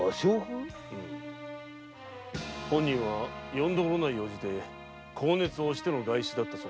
本人はよんどころない用事で高熱をおしての外出だったそうだ。